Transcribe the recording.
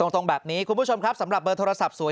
ตรงแบบนี้คุณผู้ชมครับสำหรับเบอร์โทรศัพท์สวย